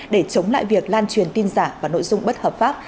để chống lại việc lan truyền tin giả và nội dung bất hợp pháp